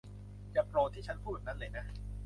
อย่าโกรธที่ฉันพูดแบบนั้นเลยนะ